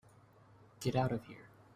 Get out of here.